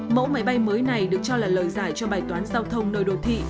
mẫu máy bay mới này được cho là lời giải cho bài toán giao thông nơi đô thị